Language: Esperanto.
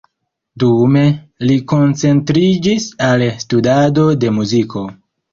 Dume, li koncentriĝis al studado de muziko.